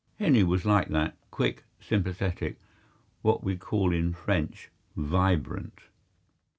Henry was like that, quick, sympathetic, what we call in French "vibrant."